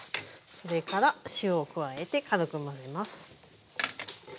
それから塩を加えて軽く混ぜます。